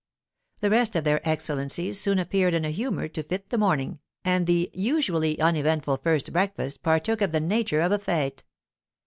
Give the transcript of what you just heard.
The rest of their excellencies soon appeared in a humour to fit the morning, and the usually uneventful 'first breakfast' partook of the nature of a fête.